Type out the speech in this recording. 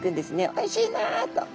「おいしいな」と。